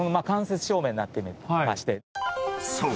［そう。